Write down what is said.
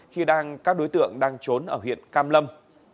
khi đang các đối tượng đang trốn ở huyện cam lâm